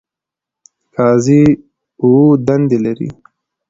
قاضی اووه دندې لري.